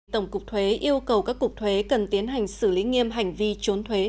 tổng cục thuế yêu cầu các cục thuế cần tiến hành xử lý nghiêm hành vi trốn thuế